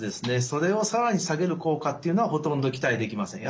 それを更に下げる効果っていうのはほとんど期待できません。